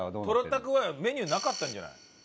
とろたくはメニューになかったんじゃない？